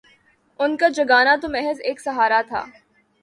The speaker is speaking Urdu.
ان کا جگانا تو محض ایک سہارا تھا